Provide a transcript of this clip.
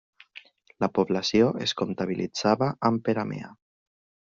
La població es comptabilitzava amb Peramea.